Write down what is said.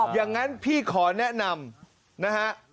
อย่างนั้นพี่ขอแนะนำนะฮะ